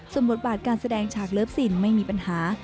ส่วนบทบาทการแสดงฉากเลิฟซินไม่มีปัญหา